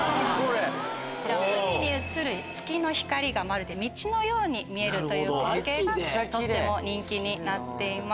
海に映る月の光が道のように見える絶景がとても人気になっています。